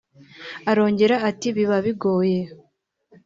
Arongera ati “Biba bigoye